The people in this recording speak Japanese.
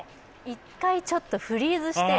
一回ちょっとフリーズして。